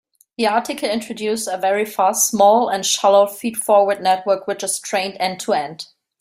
The article introduces a very fast, small, and shallow feed-forward network which is trained end-to-end.